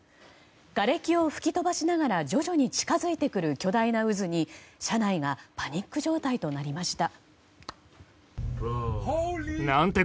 がれきを吹き飛ばしながら徐々に近づいてくる巨大な渦に、車内がパニック状態となりました。